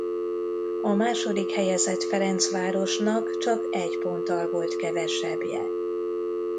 A második helyezett Ferencvárosnak csak egy ponttal volt kevesebbje.